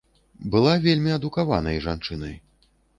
Была вельмі адукаванай жанчынай.